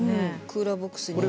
クーラーボックスに。